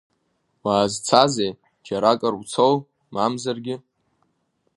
Уаазцазеи, џьаракыр уцоу, мамзаргьы…